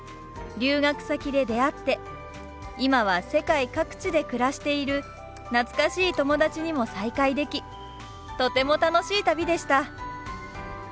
留学先で出会って今は世界各地で暮らしている懐かしい友達にも再会できとても楽しい旅でした！